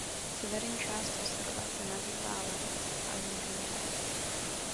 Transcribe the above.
Severní část ostrova se nazývá Lewis a jižní Harris.